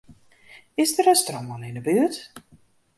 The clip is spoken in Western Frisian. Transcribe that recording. Is der in strân yn 'e buert?